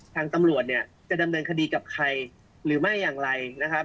ทางตำรวจเนี่ยจะดำเนินคดีกับใครหรือไม่อย่างไรนะครับ